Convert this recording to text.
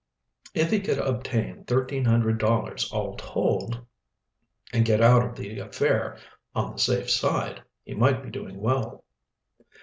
If he could obtain thirteen hundred dollars all told, and get out of the affair on the safe side, he might be doing well.